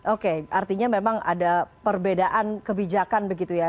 oke artinya memang ada perbedaan kebijakan begitu ya